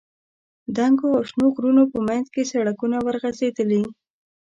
دنګو او شنو غرونو په منځ کې سړکونه ورغځېدلي.